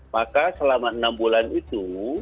maka selama enam bulan itu